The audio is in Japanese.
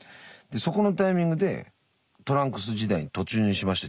そこのタイミングでトランクス時代に突入しました